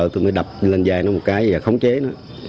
tôi mới đập lên dài nó một cái và khống chế nó